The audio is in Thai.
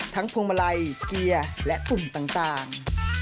ทั้งพวงมาลัยเกียร์และปุ่มต่าง